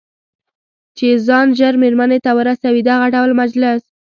چې ځان ژر مېرمنې ته ورسوي، دغه ډول مجلس.